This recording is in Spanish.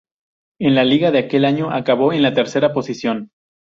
En la liga de aquel año acabó en la tercera posición.